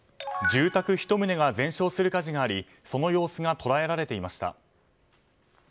住宅１棟が全焼する火事がありその様子が捉えられていました。